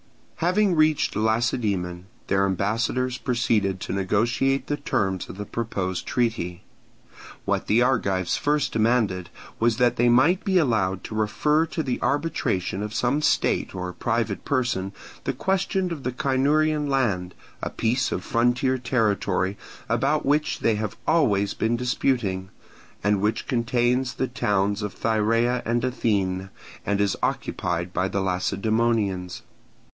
Having reached Lacedaemon, their ambassadors proceeded to negotiate the terms of the proposed treaty. What the Argives first demanded was that they might be allowed to refer to the arbitration of some state or private person the question of the Cynurian land, a piece of frontier territory about which they have always been disputing, and which contains the towns of Thyrea and Anthene, and is occupied by the Lacedaemonians.